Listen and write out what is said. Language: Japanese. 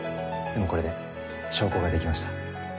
でもこれで証拠ができました。